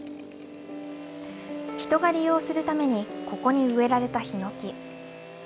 人が利用するためにここに植えられたヒノキ。